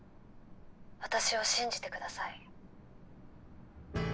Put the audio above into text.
私を信じてください。